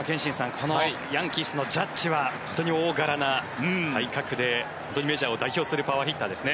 このヤンキースのジャッジは本当に大柄な体格で本当にメジャーを代表するパワーヒッターですね。